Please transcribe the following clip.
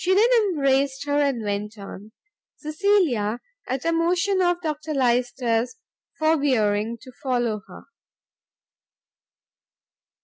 She then embraced her, and went on; Cecilia, at a motion of Dr Lyster's, forbearing to follow her.